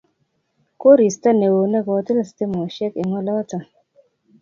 koristo neo ne kotil stimoshek eng' oloton